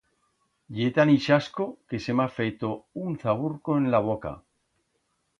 Ye tan ixasco que se m'ha feto un zaburco en la boca.